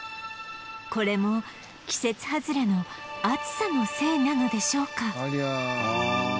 これも季節外れの暑さのせいなのでしょうか？